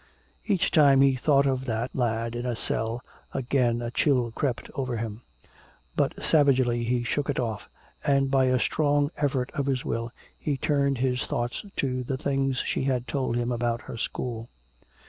Each time he thought of that lad in a cell, again a chill crept over him! But savagely he shook it off, and by a strong effort of his will he turned his thoughts to the things she had told him about her school.